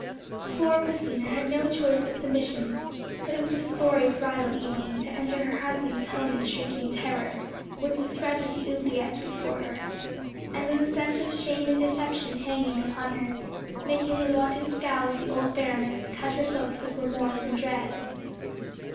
Poor Christina had no choice but submission; but it was a sorry bridal evening, to enter her husband's home in shrinking terror; with the threat of the oubliette before her, and with a sense of shame and deception hanging upon her, making the wonted scowl of the old baroness cut her both with remorse and dread.